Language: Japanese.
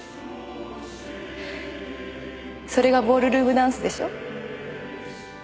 それがボールルームダンスでしょ？